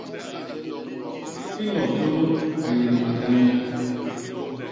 I nop nunu a yé ni matanga.